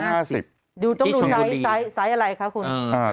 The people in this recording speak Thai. ต้องดูไซส์อะไรคะคุณ